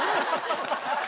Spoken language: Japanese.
ハハハハ！